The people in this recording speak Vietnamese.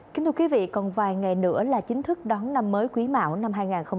kính thưa quý vị còn vài ngày nữa là chính thức đón năm mới quý mão năm hai nghìn hai mươi bốn